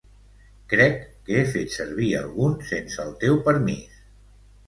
Crec que he fet servir algun sense el teu permís.